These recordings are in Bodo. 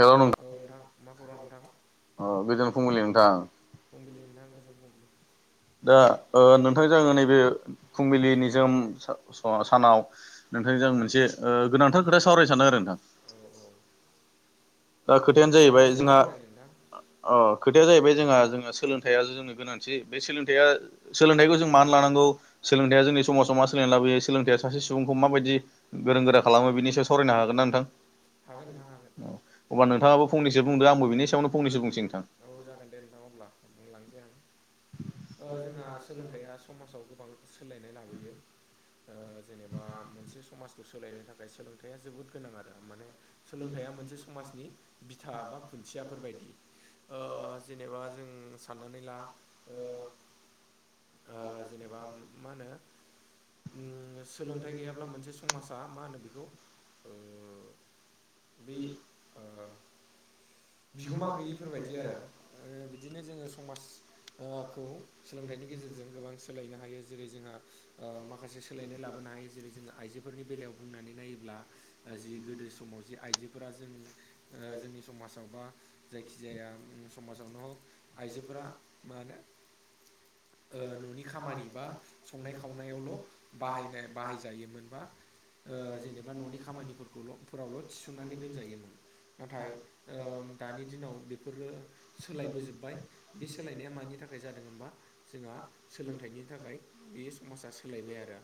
हेल' नों औ नोंथां मा खौरां नोंथां फुंबिलि नोंथां फुंबिलि नोंथां गोजोन फुंबिलि दा ओ नोंथांजों आङो नैबे फुंबिलिनि निजोम सानाव नोंथांजों आं मोनसे ओ गोनांथार खोथा सावरायनो सानदों आरो नोंथां। औ औ दा ओरैनो खोथायानो मानि जाहैबाय सायाव जोंहा सावरायनो नोंथां अ खोथाया जाहैबाय जोंहा जोंहा सोलोंथाइया जोंनो गोनांथि बे सोलोंथाइया सोलोंथाइखौ जों मानो लानांगौ सोलोंथाइया जोंनि समाजाव मा सोलोंना लाबोयो सोलोंथाइया सासे सुबुंखौ माबायदि दि गोरों गोरा खालामो बिनि सायाव सावरायनो हागोन ना नोंथां? हागोन नोंथां हागोन अब्ला नोंथाङाबो फंनैसो बुंदो आंबो बिनि सायावनो फंनैसो बुंसै नोंथां। औ जागोन दे नोंथां अब्ला बुंलांसै आं जोंहा सोलोंथाइया समाजाव गोबां सोलायनाय लाबोयो। जेनेबा मोनसे समाजखौ सोलायनो थाखाय सोलोंथाइया जोबोद गोनां आरो माने। सोलोंथाइया मोनसे समाजनि बिथा बा खुन्थियाफोर बायदि। ओ जेनेबा जों साननानै ला जेनेबा मा होनो सोलोंथाइ गैयाब्ला मोनसे समाजा मा होनो बेखौ बे ओ बिगोमा गैयैफोरबायदि आरो बिदिनो जोङो समाज खौ सोलोंथाइनि गेजेरजों गोबां सोलायनो हायो जेरै जोंहा माखासे सोलायनाय लाबोनो हायो जेरै जोङो आइजोफोरनि बेलायाव बुंनानै नायोब्ला जि गोदो समाव जि आइजोफोरा जों जोंनि समाजाव बा जायखिजाया समाजावनो हग आइजोफोरा मा होनो [inaudible] न'नि खामानि बा संनाय खावनायावल' बाहायनाय बाहायजायोमोनबा जेनेबा न'नि खामानिफोरखौल' फोरावल' थिसननानै दोनजायोमोन नाथाय दानि दिनाव बेफोरो सोलायबोजोबबाय बे सोलायनाया मानि थाखाय थाखाय जादों होनबा जोंहा सोलोंथाइनि थाखाय बे समाजा सोलायबाय आरो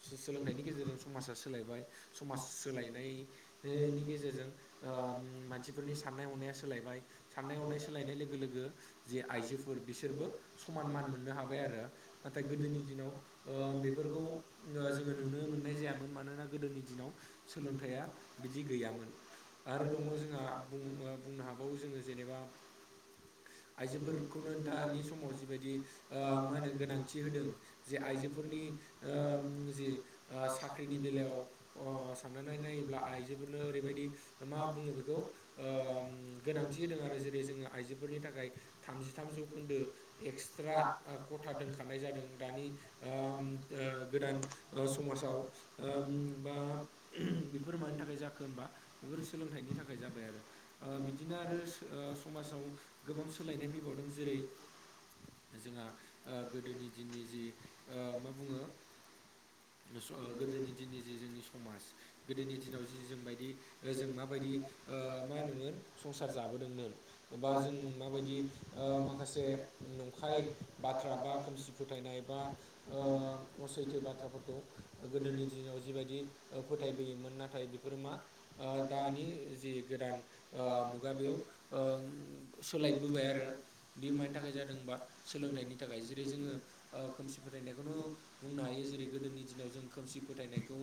सो सोलोंथाइनि गेजेरजों समाजा सोलायबाय समाज सोलायनायनि गेजेरजों ओ मानसिफोरनि साननाय हनाया सोलायबाय साननाय सानाय हनाय लोगो लोगो जि आइजोफोर बिसोरबो समान मान मोननो हाबाय आरो नाथाय गोदोनि दिनाव ओ बेफोरखौ ओ जोङो नुनो मोननाय ननाय जायामोन मानोना गोदोनि दिनाव सोलोंथाइया बिदि गैयामोन आरो दङ जोंहा बुंनो ओ हाबावो जोङो जेनेबा [unintelligible] आइजोफोरखौनो दानि समाव जिबायदि ओ मा होनो गोनांथि होदों जि आइजोफोरनि ओ उम जि ओ साख्रिनि बेलायाव अ साननानै नायोब्ला आइजोफोरनो ओरैबायदि मा बुङो बेखौ ओ उम गोनांथि होदों आरो जेरै जोङो आइजोफोरनि थाखाय थामजिथाम जौखोन्दो एक्सट्रा खथा दोनखानाय जादों दानि ओ उम ओ गोदान ओ समाजाव ओ उम बा उ [unintelligible] फोर मानि थाखाय जाखो होनबा बेफोर सोलोंथाइनि थाखाय जाबाय आरो ओ बिदिनो आरो ओ समाजाव गोबां सोलायनाय फैबावदों जेरै जोंहा ओ गोदोनि दिननि जि मा बुङो गोदोनि दिननि जि जोंनि समाज गोदोनि दिनाव जि जों बायदि जों माबायदि ओ मा होनोमोन संसार जाबोदोंमोन बा जों माबायदि ओ माखासे नंखाय बाथ्रा बा खोमसि फोथायनाय बा ओ अ सैथो बाथ्राफोरखौ गोदोनि दिनाव जिबायदि ओ फोथायबोयोमोन नाथाय बेफोरो मा ओ दानि जि गोदान ओ मुगा बेयाव ओ सोलायबोबाय आरो बे मानि थाखाय जादोंबा सोलोंथाइनि थाखाय जेरै जोङो ओ खोमसि फोथाय नायखौनो बुंनो हायो जेरै गोदोनि दिनाव जों खोमसि फोथायनायखौ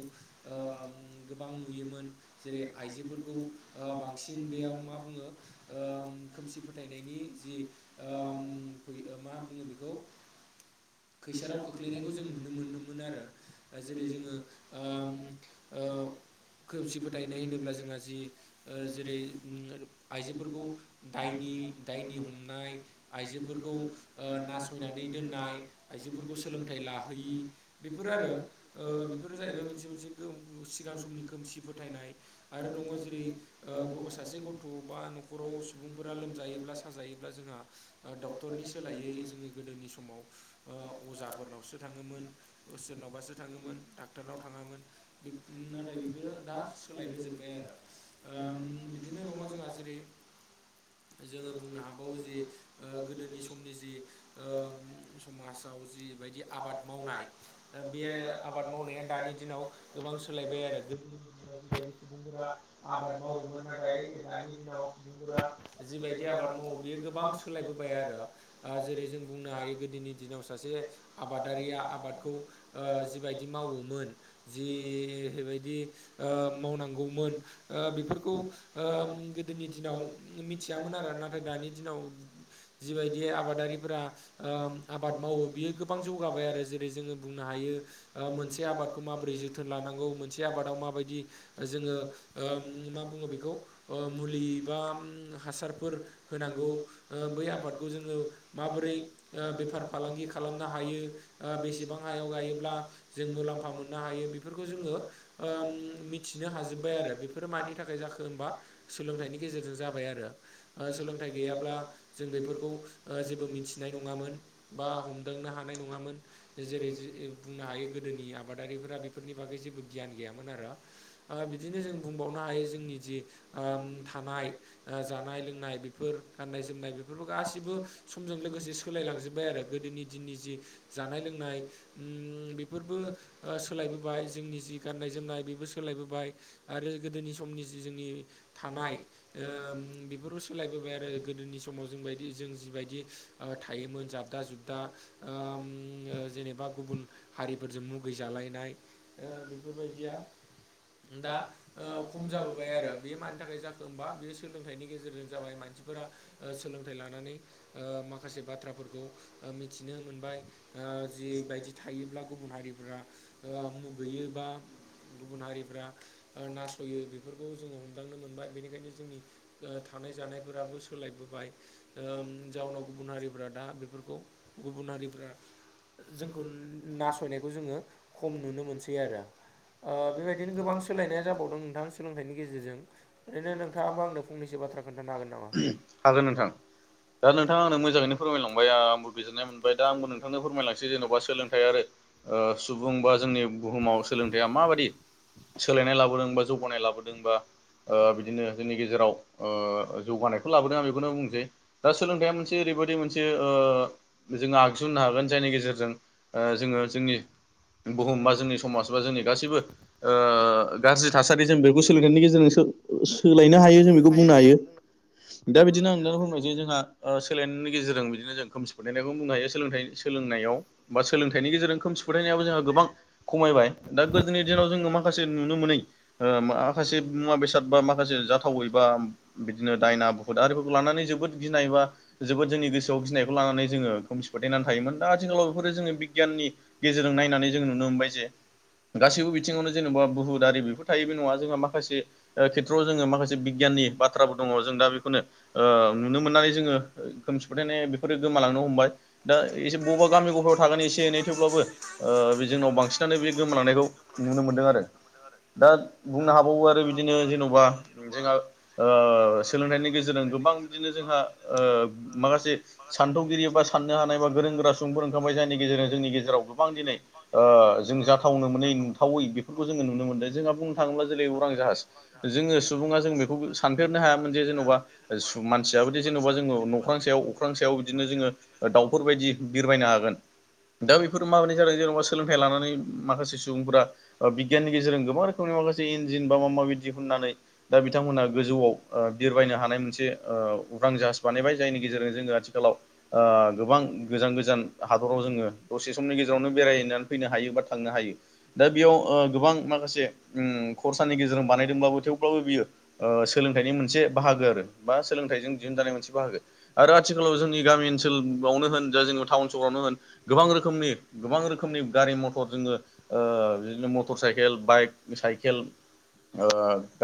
अ गोबां नुयोमोन जेरै आयजोफोरखौ ओ बांसिन नुयो आरो मा बुङो खोमसि फोथायनायनि जि ओ ओम फयो मा बुङो बेखौ खैसाराव खोख्लैनायखौ जों नुनो मोनोम मोनो आरो जेरै जोंङो ओ उम ओ खोमसि फोथायनाय होनोब्ला जोंहा जि ओ जेरै आइजोफोरखौ दायनि दायनि हमनाय आइजोफोरखौ ओ नासयनानै दोननाय आइजोफोरखौ सोलोंथाइ लाहैयि बेफोर आरो ओ बेफोरो जाहैबाय मोनसे मोनसे सिगां समनि खोमसि फोथायनाय आरो दङ जेरै ओ ग सासे गथ' बा न'खराव सुबुंफोरा लोमजा योब्ला साजायोब्ला जोंहा ओ डक्टरनि सोलायै जोनि गोदोनि समाव ओ अजा हरनावसो थाङोमोन सोरनावबासो थाङोमोन डाक्टरनाव थाङामोन नाथाय बेफोरो दा सोलायबोजोब्बाय आरो [unintelligible] ओ बिदिनो दङ जोंहा जेरै [unintelligible] जोङो बुंनो हाबावो जि ओ गोदोनि समनि जि ओ समाजाव जि बेबायदि आबाद मावनाय बेयो आबाद मावनाया दानि दिनाव गोबां सोलायबाय आरो गोदोनि दिनाव जिबायदि सुबुंफोरा आबाद मावोमोन नाथाय दानि दिनाव सुबुंफोरा जिबायदि आबाद मावो बेयो गोबां सोलायबोबाय आरो ओ जेरै जों बुंनो हायो गोदोनि दिनाव सासे आबादारिया आबादखौ ओ जिबायदि मावोमोन जि बायदि ओ मावनांगौमोन ओ बेफोरखौ ओम गोदोनि दिनाव मिथियामोन आरो नाथाय दानि दिनाव जिबायदि आबादारिफोरा ओ आबाद माव अ बियो गोबां जौगाबाय आरो जेरै जोङो बुंनो हायो मोनसे आबादखौ मा रै जोथोन लानांगौ मोनसे आबादाव माबायदि ओ जोङो ओम मा बुङो बेखौ ओम मुलि बा उम हासारफोर होनांगौ ओ बै आबादखौ जोङो माबोरै ओ बेफार फालांगि खालामनो हायो ओ बेसेबां हायाव गायोब्ला जों मुलाम्फा मोननो हायो हायो बेफोरखौ जोङो ओम मिथिनो हाजोबबाय आरो। बेफोरो मानि थाखाय जोखो होमबा सोलोंथाइनि गेजेरजों जाबाय आरो ओ सोलोंथाइ गैयाब्ला जों बेफोरखौ ओ जेबो मिथिनाय नङामोन बा हमदांनो हानाय नङामोन जेरै जे बुंनो हायो गोदोनि आबाद आबादारिफोरा बेफोरनि बागै जेबो गियान गैयामोन आरो। ओ बिदिनो जों बुंबावनो हायो जोंनि जि ओम थानाय ओ जानाय लोंनाय बेफोर गाननाय जोमनाय बेफोरफोरखौ गासिबो समजों लोगोसे सोलायलांजोब्बाय आरो गोदो नि दिननि जि जानाय लोंनाय उम बेफोरबो ओ सोलायबोबाय जोंनि जि गाननाय जोमनाय बेबो सोलायबोबाय आरो गोदोनि समनि जि जोंनि थानाय ओम बेफोरबो सोलायबोबाय आरो गोदोनि समाव जोंबायदि जों जि बायदि ओ थायोमोन जाबदा जुबदा ओम जेनेबा गुबुन हारिफोरजों मुगै जालायनाय ओ बेफोर बायदिया दा ओ खम जाबोबाय आरो बे मानि थाखाय जाखो होमबा बेयो सोलोंथाइनि गेजेरजों जाबाय मा मानसिफोरा सोलोंथाइ लानानै माखासे माखासे बाथ्राफोरखौ ओ मिथिनो मोनबाय ओ जिबायदि थायोब्ला गुबुन हारि फ्रा मुगैयो बा गुबुन हारिफ्रा ओ नासययो बेफोरखौ जोङो हमदांनो मोनबाय बेनिखायनो जोंनि ओ थानाय जानायफोराबो सोलायबोबाय ओम जाउनाव गुबुन हारिफोरा दा बेफोरखौ गुबुन हारिफ्रा जोंखौ नासयनायखौ जोङो खम नुनो मोनसै आरो। ओ बेबायदि बिदिनो गोबां सोलायनाया जाबावदों नोंथां सोलोंथाइनि गेजेरजों बिदिनो नोंथाङाबो आंनो फंनसो बाथ्राखौ हागोन नोंथां दा नोंथाङा आंनो मोजाङैनो फोरमायलांबाय। आंबो बिजिरनाय मोनबाय दा आंबो नोंथांनो फोरमायलांनोसै जेन'बा सोलोंथाइ आरो ओ सुबुं बा जोंनि बुहुमाव सोलोंथायाइया माबायदि सोलायनाय लाबोदों बा जौगानाय लाबोदों बा ओ बिदिनो जोंनि गेजेराव ओ जौगानायखौ लाबोदों आं बेखौनो बुंसै दा सोलोंथाइया मोनसे ओरैबायदि मोनसे जों आगजु होननो हा हागोन जायनि गेजेरजों ओ जोङो जोंनि बुहुम बा जोंनि समाज बा जोंनि गासिबो ओ गाज्रि थासारि जों बेखौ सोलोंथानायनि गेजेरजों सो सोलायनो हायो जों बेखौ बुंनो हायो। दा बिदिनो आं दा बुंबाय जे जोंहा ओ सोलायनायनि गेजेरजों बिदिनो जों खोमसि फोथायनायखौ बुंनो हायो सोलोंथाइ सोलों नायाव बा सोलोंथाइनि गेजेरजों खोमसि फोथायनायाबो जोंहा गोबां खमायबाय दा गोदोनि दिनाव जोङो माखासे नुनो मोनै माखासे मुवा बेसाद बा माखासे आं जाथावै बा बि बिदिनो दायना बुहुत आरिफोरखौ लानानै जोबोद गिनाय बा जोबोद जोंनि गोसोआव गिनायखौ लानानै जोङो खोमसि फोथायनानै थायोमोन दा आथिखालाव बेफोरो जोङो बिगियाननि गेजेरजों नायनानै जोंङो नुनो मोनबाय जे गासैबो बिथिङावनो जेन'बा बुहुद आरि बेफोर थायो बे नङा जोंहा माखासे खेथ्र'आव जोङो माखासे बिगियाननि बाथ्राफोर दङ' जों दा बेखौनो ओ नुनो मोननानै जोङो खोमसि फोथायनाय बेफोरो गोमालांनो हमबाय दा एसे बबबा माखासे गामि गफायावाव समाव थागोन गामिखौ एसे एनै थेब्लाबो जोङो जेन'बा जोंनाव बांसिनानो बे गोमा लांनायखौ नुनो गोमानायखौ मोनदों आरो मोनदों आरो दा दा बुंनो हाबावो आरो बिदिनो हाबावो आरो जेन'बा बिदिनो जेन'बा जोंहा जोंहा ओ सोलोंथाइनि ओ गेजेरजों सोलोंथाइनि गोबां गेजेरजों बिदिनो गोबां जोंहा बिदिनो ओ जोंहा माखासे माखासे सानथौगिरि बा साननो हयै हानाय बा गोरों साननो गोरा हानाय बा सुबुंफोर गोरों गोरा ओंखारबाय जायनि सुबुंफोर गेजेरजों ओंखारबाय जोंनि जायनि गेजेरजों गेजेराव गोबां जोंनि दिनै गेजेराव गोबां ओ दिनै जों ओ जाथावनो जों मोनै जाथावनो मोनै नुथावै बिफोरखौ थावै जोङो नुनो बेफोरखौ मोनदों जों जोंहा नुनो बुंनो जेनेबा थाङोब्ला जेरै बुंनो उरां थाङोब्ला जाहाज दिनै उरां जाहाज जोङो सुबुंआ जों बेखौबो सुबुङा जों बेखौ सानफेरनो जों हायामोन जे सानदेरनो जेन'बा हायामोन जे जेन'बा मानसिआबोदि जेन'बा मानसियाबोदि जोङो जेन'बा नख्रां जोंखौ सायाव अख्रां सायाव बिदिनो सायाव जोङो ओ बिदिनो जोङो दाउफोर बायदि बिरबायनो हागोन दा बिफोर माबारै जादों जेनोबा सोलोंथाइ लानानै माखासे सुबुंफोरा ओ बिगियाननि गेजेरजों गोबां रोखोमनि माखासे इन्जिन बा माबा माबि दिहुनानै दा बिथांमोनहा गोजौआव बिरबायनो हानाय मोनसे ओ उरां जाहाज बानायबाय जायनि गेजेरजों जों आथिखालाव ओ गोबां गोजान गोजान हादराव जोङो दसे समनि गेजेरावनो बेरायैनानै फै नो हायो बा थांनो हायो दा बेयाव ओ गोबां माखासे खरसानि गेजेरजों बानायदोंबाबो थेव थेवब्लाबो बियो ओ सोलोंथाइनि मोनसे बाहागो आरो बा सोलोंथाइजों दिहुनजानाय मोनसे बाहागो आरो आथिखालाव जोंनि गामि ओनसोलाव नों होन जा टाउन सोहरावनो होन गोबां रोखोमनि गोबां रोखोमनि गारि मथर जोङो ओ बिदिनो मटर साइकेल बाइक साइकेल ओ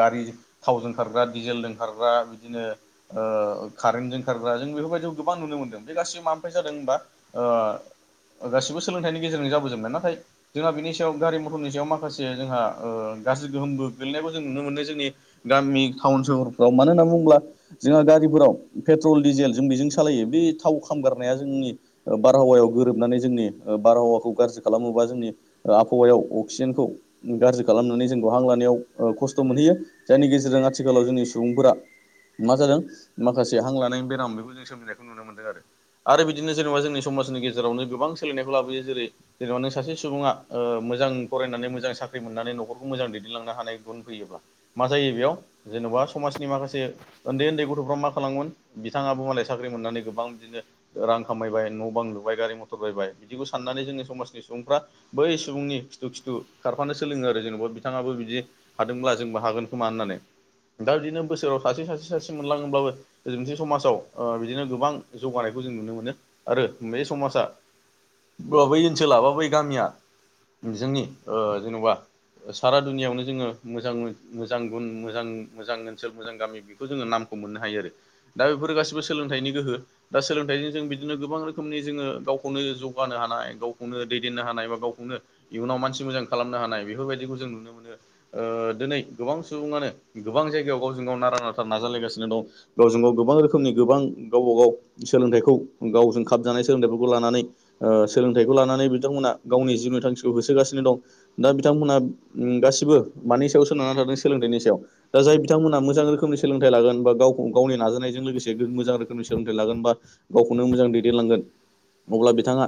गारि थावजों खारग्रा दिडिजेलजों खारग्रा बिदिनो ओ कारेन्टजों खारग्रा जों बेफोरबायदिखौ गोबां नुनो मोनदों बे गासिबो मा निफ्राय जादों होनबा ओ गासिबो सोलोंथाइनि गेजेरजों जाबो जोबनाय नाथाय जोंहा बिनि सायाव गारि मथरनि सायाव माखासे जोंहा ओ गाज्रि गोहोमबो गोग्लैनायखौ जों नुनो मोनो जोंनि गामि टाउन सहोरफ्राव मानो होनना बुङोब्ला जोंहा गारिफोराव पेट्रल डिजेल जों बेजों सालायो बे थाव खामगारनाया जोंनि ओ बारहावायाव गोरोबनानै ओ जोंनि बारहावाखौ गाज्रि खालामोबा जोंनि ओ आबहावायाव अक्सिजेनखौ गाज्रि खालामनानै जोंखौ हां लानायाव ओ खस्थ' मोनहैयो जायनि गेजेरजों आथि खालाव जोंनि सुबुंफोरा मा जादों माखासे हां लानायनि बेराम बेखौ जों सोमजिनायखौ नुनो मोनदों आरो आरो बिदिनो जेनोबा जोंनि समाजनि गेजेरावनो गोबां सोलायनायखौ लाबोयो जेरै जेनोबा नों सासे सुबुंआ ओ मोजां फरायनानै मोजां साख्रि मोननानै नखरखौ मोजां दैदेनलांनो हानाय गुन फैयोब्ला मा जायो बेआव जेन'बा समाजनि माखासे उन्दै उन्दै गथ'फ्रा मा खालामगोन बिथांआबो मालाय साख्रि मोननानै गोबां बिदिनो रां खामायबाय न' बां लुबाय गारि मथर बायबाय बिदिखौ साननानै जोंनि समाजनि सुबुंफ्रा बै सुबुं नि खिथु खिथु खारफानो सोलोङो आरो जेनोबा बिथांआबो बिदि हादोंबा जोंबो हागोन खोमा होननानै दा बिदिनो बोसोराव सासे सासे सासे मोनलांब्लाबो मोनसे समाजाव बिदिनो गोबां जौगानाय खौ जों नुनो मोनो आरो बे समाजा अब्ला बै ओनसोला बा बै गामिआ जोंनि ओ जेन'बा सारा दुनिआवनो जोङो मोजां मोजां गुन मोजां मोजां ओनसोल मोजां गामि बेखौ जोङो नामखौ मोननो हायो आरो दा बेफोर गासिबो सोलोंथाइनि गोहो दा सोलों बेनिखायनो जों बिदिनो गोबां रोखोमनि जोङो गाव खौनो जौगानो हानाय गावखौनो दैदेननो हानाय बा गावखौनो इयुनाव मानसि मोजां खालामनो हानाय बेफोरबादिखौ जों नुनो मोनो ओ दिनै गोबां सुबुंआनो गोबां जायगायाव गावजों गाव नारा नाथा नाजालायगासिनो दं गावजों गाव गोबां रोखोमनि गोबां गावबा गाव सोलोंथाइखौ गावजों खाबजानाय सोलोंथाइफोरखौ लानानै ओ सोलोंथाइखौ लानानै बिथांमोना गावनि जिउनि थांखिखौ होसोगासिनो दं दा बिथांमोनहा गासिबो मानि सायाव सोनारना थादों सोलोंथाइनि सायाव जाय बिथांमोना मोजां रोखोम सोलों थाइ लागोन बा गावखौ गावनि नाजानायजों लोगोसे बे मोजां रोखोमनि सोलोंथाइ लागोन बा गावखौनो मोजां दैदेनलांगोन अब्ला बिथांआ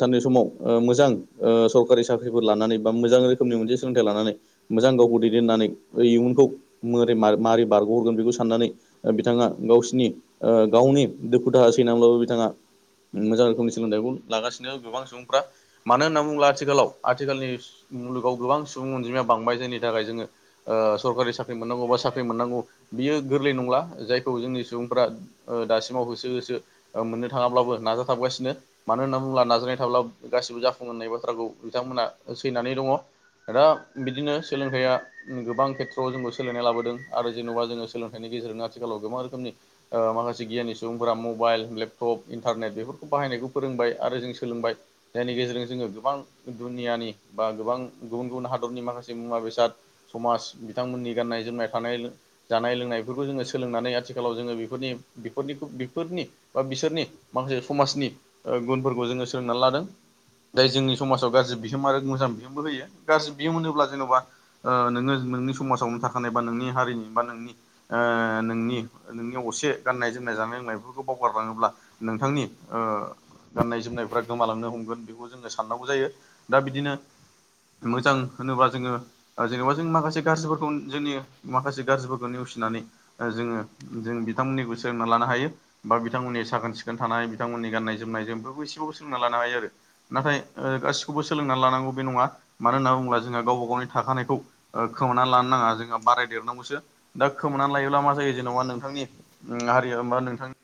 सानसे समाव ओ मोजां ओ सरकारि साख्रिफोर लानानै बा मोजां रोखोमनि मोन से सोलोंथाइ लानानै मोजां गावखौ दैदेननानै इयुनखौ मोरै माबोरै बारग'हरगोन बेखौ साननानै बिथांआ गावसिनि ओ गावनि दुखु दाहा सैनांब्लाबो बिथांआ मोजां रोखोमनि सोलोंथाइखौ लागासिनो गोबां सुबुंफ्रा मानो होनना बुङोब्ला आथिखालाव आथिखालनि मुलुगाव गोबां सुबुं अनजिमाया बांबाय जायनि थाखाय जोङो ओ सरकारि सा ख्रि मोननांगौ बा साख्रि मोननांगौ बियो गोरलै नंला जायखौ जोंनि सुबुंफोरा दासिमाव होसो हो सो मोननो थाङाब्लाबो नाजाथाबगासिनो मानो होननानै बुोब्ला नाजानाय थाब्ला गासिबो जाफुं होननाय बाथ्राखौ बिथांमोना सैनानै दङ दा बिदिनो सोलोंथाइया गोबां खेथ्रआव जोंखौ सोलायनाय लाबोदों आरो जेन'बा जोङो सोलोंथाइ बेनि गेजेरजों आथिखालाव गोबां रोखोमनि माखासे गियााननि सुबुंफोरा मबाइल लेपटप इन्टारनेट बेफोरखौ बाहायनायखौ फोरोंबाय आरो जों सोलोंबाय जायनि गेजेरजों जोङो गोबां दुनियानि बा गोबां गुबुन गुबुन हादरनि माखासे मुवा बेसाद समाज बिथांमोननि गाननाय जोमनाय थानाय जानाय लोंनायफोरखौ जोङो सोलोंनानै आथिखालाव जोङो बेफोरनि बेफोरफोरनि नि बा बिसोरनि माखासे समाजनि दाय जोंनि समाजाव गाज्रि बिहोम आरो मोजां बिहोमबो होयो गाज्रि बिहोम होनोब्ला जेन'बा नोङो नोंनि समावनो थाखा थानाय बा नोंनि हारिनि बा नोंनि नोंनि नोंनि असे गाननाय जोमनाय जानाय लोंनायफोरखौ बाव गारलाङोब्ला नोंथांनि गाननाय जोमनायफ्रा गोमालांनो हमगोन बेखौ जोङो साननांगौ जायो दा बिदिनो मोजां होनोबा जोङो जेनेबा जों माखासे गाज्रिफोरखौ जोंनि माखासे गाज्रिफोरखौ नेवसिनानै जोङो जों बिथांमोननिखौ सोलोंना लानो हायो बा बिथांमोननि साखोन सिखोन थानाय बिथांमोननि गाननाय जोमनाय जों बेफोरखौ एसेबाबो सोलोंना लानो हायो आरो नाथाय गासिखौबो सोलोंनानै लानांगौ बे नङा मानो होनना बुङोब्ला जोंहा गावबा गावनि थाखानायखौ खोमाना लानो नाङा जों जों बारायदेरनांगौसो दा खोमानानै लायोब्ला मा जायो जेनेबा नोंथांनि हारिया हा नोंथां